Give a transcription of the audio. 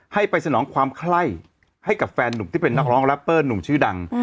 ให้ไปสนองความไคร้ให้กับแฟนหนุ่มที่เป็นนักร้องแรปเปอร์หนุ่มชื่อดัง